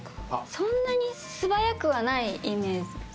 そんなに素早くはないイメージ。